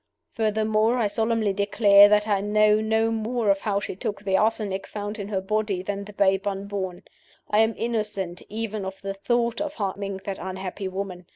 "Furthermore, I solemnly declare that I know no more of how she took the arsenic found in her body than the babe unborn. I am innocent even of the thought of harming that unhappy woman.